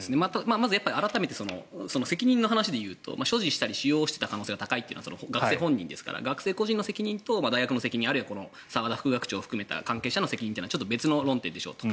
まず、改めて責任の話でいうと所持したり使用していた可能性が高いというのは学生本人ですから学生個人の責任と大学の責任あるいは澤田副学長含めた関係者の責任というのはちょっと別の論点でしょうと。